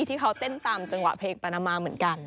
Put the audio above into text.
ที่เขาเต้นตามจังหวะเพลงปานามาเหมือนกัน